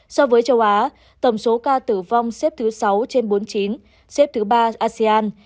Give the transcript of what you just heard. so với châu á tổng số ca tử vong xếp thứ sáu trên bốn mươi chín xếp thứ ba asean